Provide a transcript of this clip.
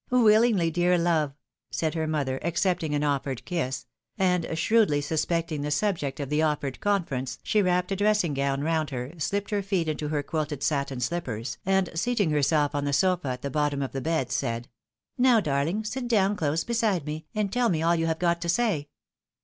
"" Wilhngly, dear love !" said her mother, accepting an offered kiss, and, shrewdly suspecting the subject of the offered conference, she wrapped a dressing gown round her, slipped her feet into her quilted satin shppers, and seating herself on the sofa at the bottom of the bed, said, "Now, darhng, sit down close beside me, and tell me all you have got to say."